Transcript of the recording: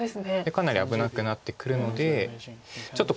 かなり危なくなってくるのでちょっと